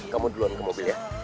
kamu duluan ke mobil ya